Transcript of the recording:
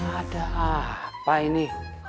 ada apa ini